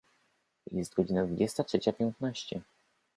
Jest godzina dwudziesta trzecia piętnaście.